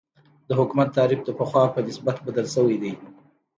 د حکومت تعریف د پخوا په نسبت بدل شوی دی.